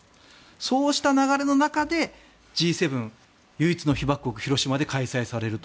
そうした流れの中でＧ７唯一の被爆国、広島で開催されると。